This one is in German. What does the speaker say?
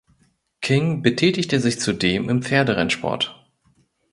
King betätigte sich zudem im Pferderennsport.